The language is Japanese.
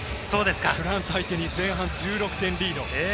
フランス相手に前半１６点リード。